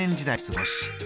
よし！